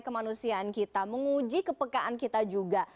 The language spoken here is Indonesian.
kemanusiaan kita menguji kepekaan kita juga